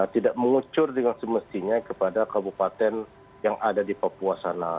tidak mengucur dengan semestinya kepada kabupaten yang ada di papua sana